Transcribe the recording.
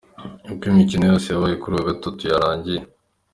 Uko imikino yose yabaye kuri uyu wa Gatatu yarangiye.